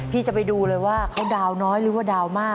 จะไปดูเลยว่าเขาดาวน้อยหรือว่าดาวมาก